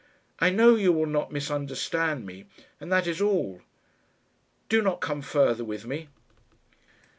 I know you will not misunderstand me and that is all. Do not come further with me."